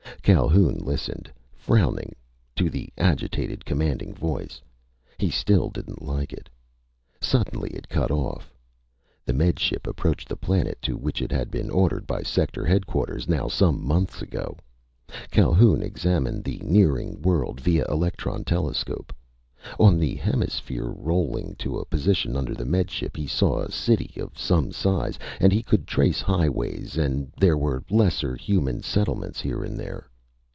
Calhoun listened, frowning, to the agitated, commanding voice. He still didn't like it. Suddenly, it cut off. The Med Ship approached the planet to which it had been ordered by Sector Headquarters now some months ago. Calhoun examined the nearing world via electron telescope. On the hemisphere rolling to a position under the Med Ship he saw a city of some size, and he could trace highways, and there were lesser human settlements here and there.